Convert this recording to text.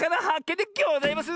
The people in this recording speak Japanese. んでギョざいます！